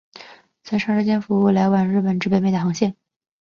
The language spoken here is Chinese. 曾长时间服务来往日本至北美的航线。